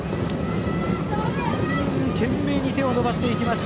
懸命に手を伸ばしていきました。